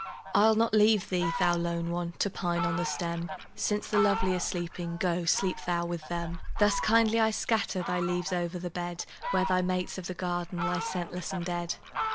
I'll not leave thee, thou lone one ! To pine on the stem ; Since the lovely are sleeping, Go sleep thou with them. Thus kindly I scatter Thy leaves o'er the bed, Where thy mates of the garden Lie scentless and dead.